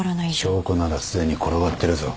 証拠ならすでに転がってるぞ。